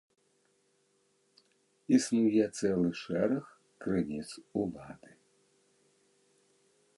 Існуе цэлы шэраг крыніц улады.